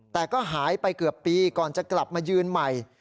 แต่ก็หายไปเกือบปีก่อนจะกลับมายืนใหม่